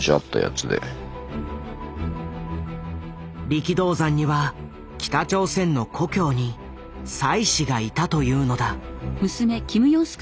力道山には北朝鮮の故郷に妻子がいたというのだ。